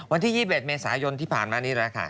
วันที่๒๑เมษายนที่ผ่านมานี่แหละค่ะ